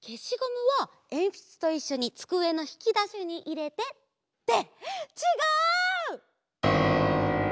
けしゴムはえんぴつといっしょにつくえのひきだしにいれて。ってちがう！